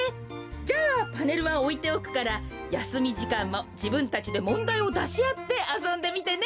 じゃあパネルはおいておくからやすみじかんもじぶんたちでもんだいをだしあってあそんでみてね。